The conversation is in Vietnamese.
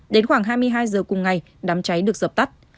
đến khoảng hai mươi hai giờ cùng ngày đám cháy được dập tắt